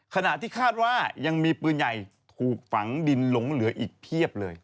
ขณะที่คาดว่ายังมีปืนใหญ่ถูกฝังดินหลงเหลืออีกเพียบเลย